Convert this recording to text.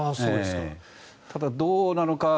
ただ、どうなのか。